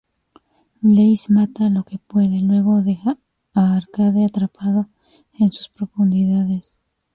Blaze mata lo que puede, luego deja a Arcade atrapado en sus profundidades.